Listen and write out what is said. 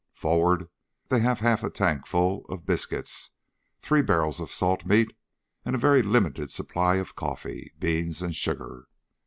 Forward they have half a tank full of biscuits, three barrels of salt meat, and a very limited supply of coffee beans and sugar.